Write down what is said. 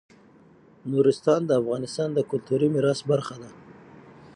نورستان د افغانستان د کلتوري میراث برخه ده.